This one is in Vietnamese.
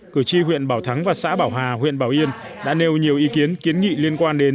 cử tri huyện bảo thắng và xã bảo hà huyện bảo yên đã nêu nhiều ý kiến kiến nghị liên quan đến